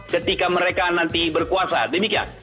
ketika mereka nanti berkuasa demikian